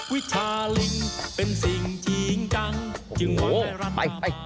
วิธาลิงเป็นสิ่งจริงจัง